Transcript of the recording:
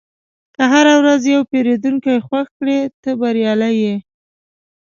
که هره ورځ یو پیرودونکی خوښ کړې، ته بریالی یې.